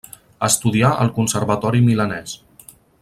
Estudià al Conservatori milanès.